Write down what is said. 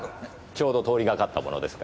ちょうど通りがかったものですから。